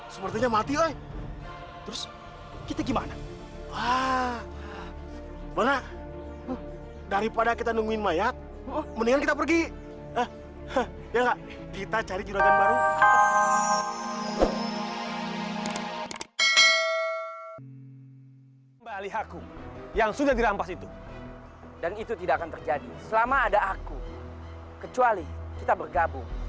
sampai jumpa di video selanjutnya